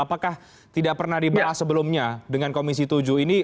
apakah tidak pernah dibahas sebelumnya dengan komisi tujuh ini